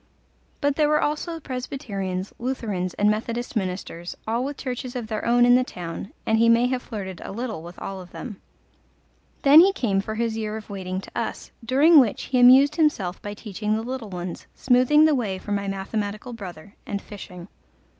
But there were also Presbyterians, Lutherans, and Methodist ministers, all with churches of their own in the town, and he may have flirted a little with all of them. Then he came for his year of waiting to us, during which he amused himself by teaching the little ones, smoothing the way for my mathematical brother, and fishing.